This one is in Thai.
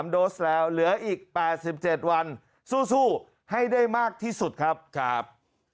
โดสแล้วเหลืออีก๘๗วันสู้ให้ได้มากที่สุดครับ